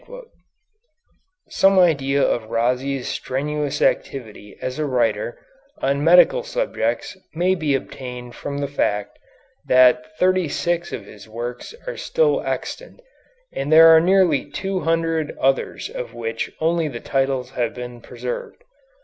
Some idea of Rhazes' strenuous activity as a writer on medical subjects may be obtained from the fact that thirty six of his works are still extant, and there are nearly two hundred others of which only the titles have been preserved.